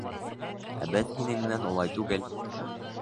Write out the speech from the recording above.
— Ә беҙ һинең менән улай түгел.